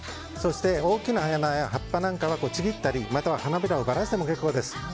そして大きな花や葉っぱなんかはちぎったり花びらをばらしても結構です。